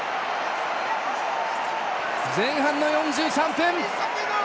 前半の４３分！